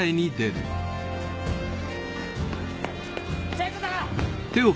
聖子さん。